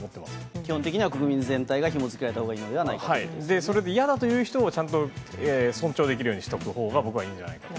基本的には国民全体がひもづけられたほうがいいのではないかそれで嫌だと言う人を、ちゃんと尊重できるようにしておくほうが僕はいいんじゃないかと。